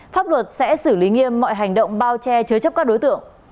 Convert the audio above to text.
pháp luật sẽ xử lý nghiêm mọi hành động bao che chứa chấp các đối tượng